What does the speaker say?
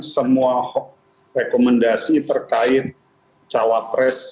semua rekomendasi terkait cawapres